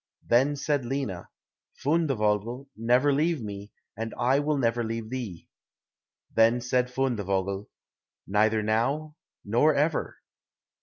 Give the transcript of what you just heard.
Then said Lina, "Fundevogel, never leave me, and I will never leave thee." Then said Fundevogel, "Neither now, nor ever."